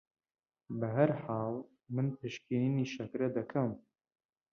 بە هەرحاڵ من پشکنینی شەکرە دەکەم